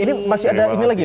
ini masih ada ini lagi